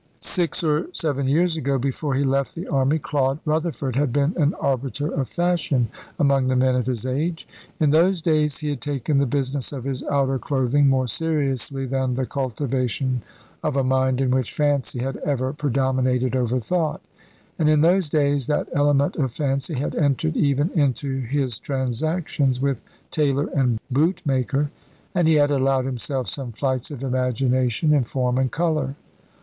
Six or seven years ago, before he left the Army, Claude Rutherford had been an arbiter of fashion among the men of his age. In those days he had taken the business of his outer clothing more seriously than the cultivation of a mind in which fancy had ever predominated over thought; and in those days that element of fancy had entered even into his transactions with tailor and bootmaker, and he had allowed himself some flights of imagination in form and colour.